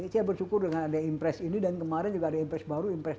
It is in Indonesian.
saya bersyukur dengan ada imprex ini dan kemarin juga ada imprex baru imprex dua